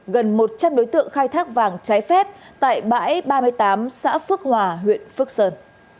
gần một trăm linh đối tượng khai thác vàng trái phép tại bãi ba mươi tám xã phước hòa huyện phước sơn